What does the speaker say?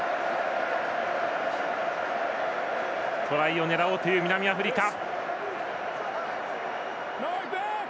トライを狙おうという南アフリカ。